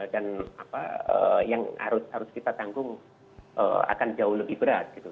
dan yang harus kita tanggung akan jauh lebih berat gitu